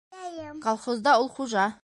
Колхозда ул хужа.